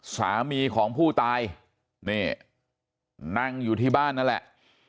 สามีของผู้ตายนี่นั่งอยู่ที่บ้านนั่นแหละ